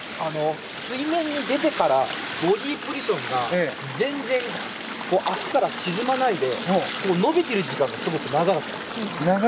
水面に出てからボディーポジションが全然足から沈まないで伸びている時間がすごく長かったです。